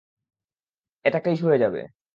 এটা একটা ইস্যু হয়ে যাবে।